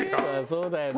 そうだよね。